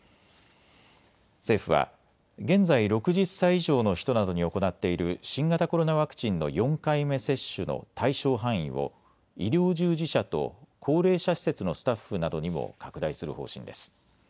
政府は現在６０歳以上の人などに行っている新型コロナワクチンの４回目接種の対象範囲を医療従事者と高齢者施設のスタッフなどにも拡大する方針です。